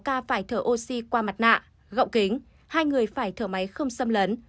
bốn mươi sáu ca phải thở oxy qua mặt nạ gọng kính hai người phải thở máy không xâm lấn